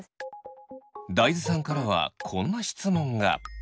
大豆さんからはこんな質問が。